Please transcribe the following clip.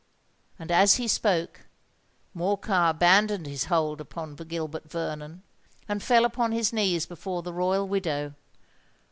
And, as he spoke, Morcar abandoned his hold upon Gilbert Vernon, and fell upon his knees before the royal widow.